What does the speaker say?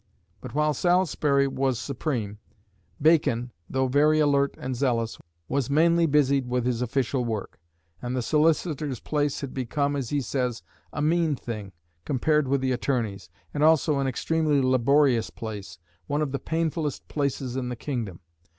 But while Salisbury was supreme, Bacon, though very alert and zealous, was mainly busied with his official work; and the Solicitor's place had become, as he says, a "mean thing" compared with the Attorney's, and also an extremely laborious place "one of the painfullest places in the kingdom."